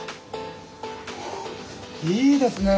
いいですね！